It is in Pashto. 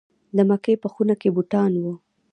د مکې په خونه کې بوتان وو.